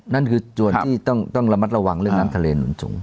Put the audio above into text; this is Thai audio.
นั่นคือส่วนที่ต้องระมัดระวังเรื่องน้ำทะเลหนุนสูง